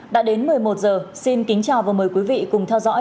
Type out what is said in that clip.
đã đến một mươi một h xin kính chào và mời quý vị cùng theo dõi